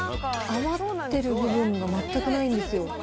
余ってる部分が全くないんですよ。